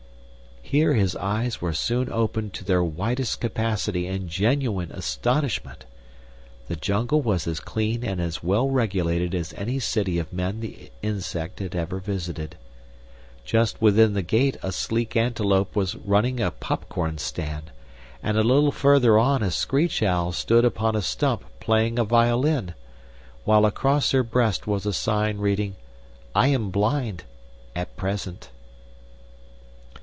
Here his eyes were soon opened to their widest capacity in genuine astonishment. The Jungle was as clean and as well regulated as any city of men the Insect had ever visited. Just within the gate a sleek antelope was running a pop corn stand, and a little further on a screech owl stood upon a stump playing a violin, while across her breast was a sign reading: "I am blind at present."